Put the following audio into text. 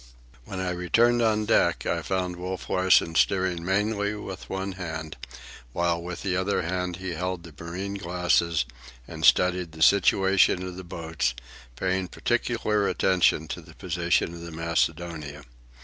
'" When I returned on deck I found Wolf Larsen steering mainly with one hand, while with the other hand he held the marine glasses and studied the situation of the boats, paying particular attention to the position of the Macedonia.